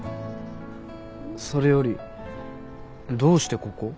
それよりどうしてここ？